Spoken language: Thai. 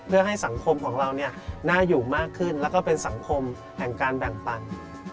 เพื่อให้สังคมของเราน่าอยู่มากขึ้นแล้วก็เป็นสังคมแห่งการแบ่งปัน